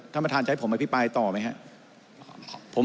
ท่านประธานจะให้ผมอภิปรายต่อไหมครับ